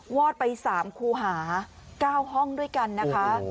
อดไป๓คูหา๙ห้องด้วยกันนะคะ